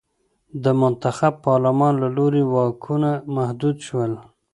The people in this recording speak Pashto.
د منتخب پارلمان له لوري واکونه محدود شول.